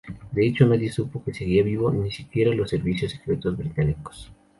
De hecho nadie supo que seguía vivo, ni siquiera los servicios secretos británicos.